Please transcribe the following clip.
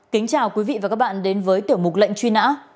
kính chào quý vị và các bạn đến với tiểu mục lệnh truy nã